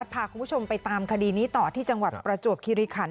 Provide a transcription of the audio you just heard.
พาคุณผู้ชมไปตามคดีนี้ต่อที่จังหวัดประจวบคิริขัน